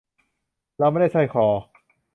เราไม่ได้สร้อยคอ